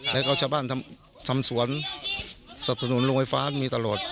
แล้วก็ชาวบ้านทำสวนสับสนุนโรงไฟฟ้ามีตลอด